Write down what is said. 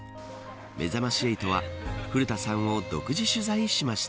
めざまし８は古田さんを独自取材しました。